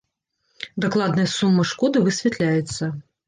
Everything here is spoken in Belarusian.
Дакладная сума шкоды высвятляецца.